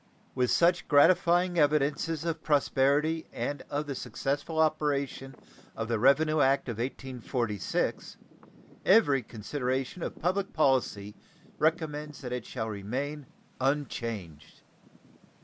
With such gratifying evidences of prosperity and of the successful operation of the revenue act of 1846, every consideration of public policy recommends that it shall remain unchanged.